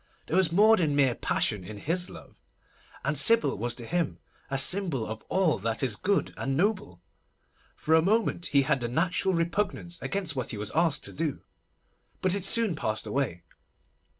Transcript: There was more than mere passion in his love; and Sybil was to him a symbol of all that is good and noble. For a moment he had a natural repugnance against what he was asked to do, but it soon passed away.